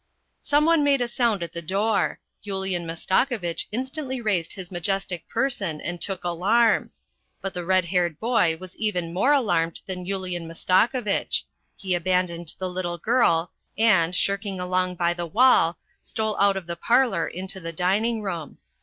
Some one made a sound at the door. Yulian Mastakovitch instantly raised his majestic person and took alarm. But t lu red haired boy was even more alarmed than Yulian Masta kovitch ; he abandoned the little girl and, slinking along by the wall, stole out of the parlour into the dining room.